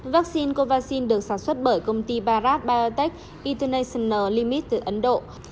vaccine covaxin được sản xuất bởi công ty bharat biotech international limits từ ấn độ